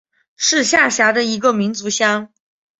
是下辖的一个民族乡。